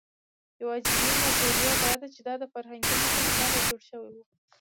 یواځینۍ نظریه دا ده، چې دا د فرهنګي موخو لپاره جوړ شوي وو.